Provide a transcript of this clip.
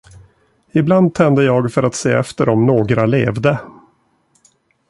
Ibland tände jag för att se efter om några levde.